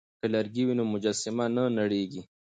که لرګی وي نو مجسمه نه نړیږي.